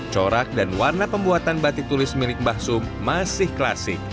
corak dan warna pembuatan batik tulis milik mbah sum masih klasik